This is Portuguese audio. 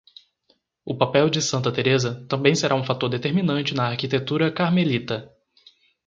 O papel de Santa Teresa também será um fator determinante na arquitetura carmelita.